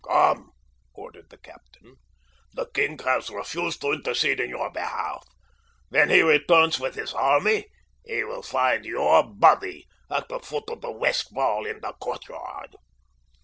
"Come!" ordered the captain. "The king has refused to intercede in your behalf. When he returns with his army he will find your body at the foot of the west wall in the courtyard."